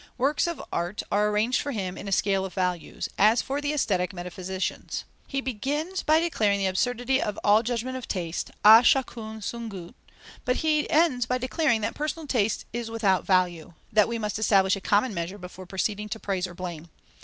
Works of art are arranged for him in a scale of values, as for the aesthetic metaphysicians. He began by declaring the absurdity of all judgment of taste, "à chacun son goût," but he ends by declaring that personal taste is without value, that we must establish a common measure before proceeding to praise or blame.